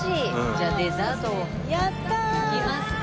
じゃあデザートを行きますか。